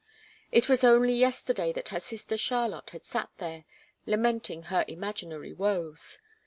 It was only yesterday that her sister Charlotte had sat there, lamenting her imaginary woes.